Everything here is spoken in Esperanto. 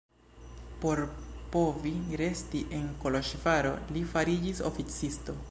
Por povi resti en Koloĵvaro li fariĝis oficisto.